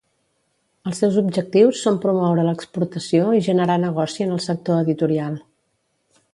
Els seus objectius són promoure l'exportació i generar negoci en el sector editorial.